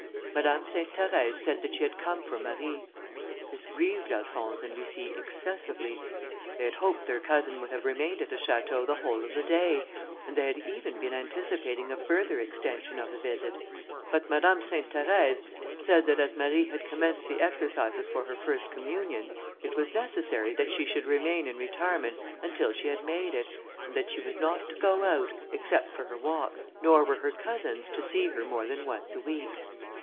Madame Sainte Therèse said that she had come for Marie. This grieved Alphonse and Lucie excessively. They had hoped their cousin would have remained at the château the whole of the day, and they had even been anticipating a further extension of the visit; but Madame Sainte Therèse said that as Marie had commenced the exercises for her first communion, it was necessary that she should remain in retirement until she had made it, and that she was not to go out, except for her walk, nor were her cousins to see her more than once a week.